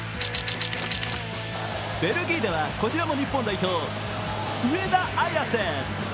ベルギーではこちらも日本代表、上田綺世。